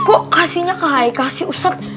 kok kasihnya ke haikal sih ustad